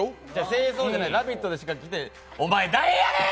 正装じゃない、「ラヴィット！」でしか着てお前、誰やねん！